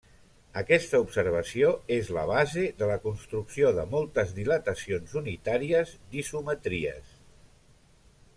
Aquesta observació és la base de la construcció de moltes dilatacions unitàries d'isometries.